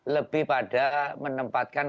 lebih pada menempatkan